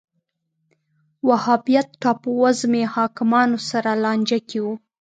وهابیت ټاپووزمې حاکمانو سره لانجه کې و